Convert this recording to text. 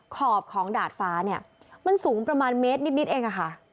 ขอบของดาดฟ้าเนี่ยมันสูงประมาณเมตรนิดเองค่ะ